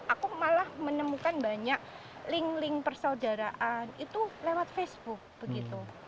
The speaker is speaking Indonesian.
aku malah menemukan banyak link link persaudaraan itu lewat facebook begitu